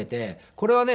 これはね